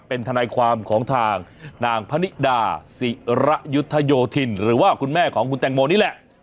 เป็นทนายความของทางนางพนิดาศิระยุทธโยธินหรือว่าคุณแม่ของคุณแตงโมนี่แหละ